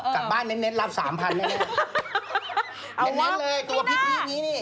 กลับบ้านเน้นรับ๓๐๐๐บาทเน้นเลยตัวพิธีนี้นี่